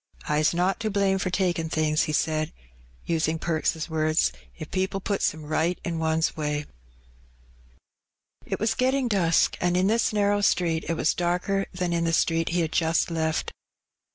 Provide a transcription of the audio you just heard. "I's not to blame for takin' things," he said, using Perks's words, "if people puts 'em right in one's wray." 92 Hbb Benny. It was getting dusk^ and in this narrow street it was darker than in the street he had just left.